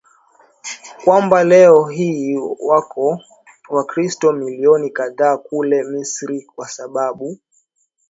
kwamba leo hii wako Wakristo milioni kadhaa kule Misri kwa sababu